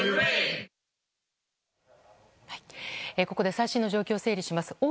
ここで最新の状況を整理します。